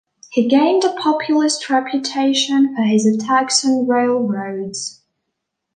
He gained a populist reputation for his attacks on railroads.